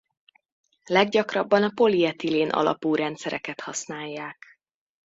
Leggyakrabban a polietilén alapú rendszereket használják.